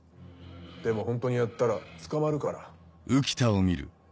でも本当にやったら捕まるから。